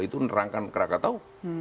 itu menerangkan krakato